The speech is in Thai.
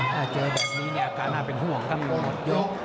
ถ้าเจอแบบนี้เนี่ยอาการน่าเป็นห่วงก็ไม่มีหมด